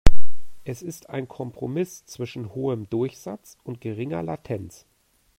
Es ist ein Kompromiss zwischen hohem Durchsatz und geringer Latenz.